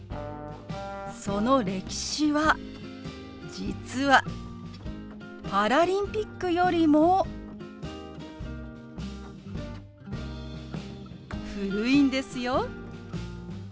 その歴史は実はパラリンピックよりも古いんですよ。